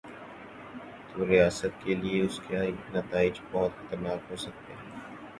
توریاست کے لیے اس کے نتائج بہت خطرناک ہو سکتے ہیں۔